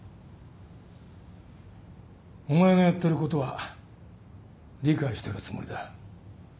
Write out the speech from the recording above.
お前がやってることは理解してるつもりだ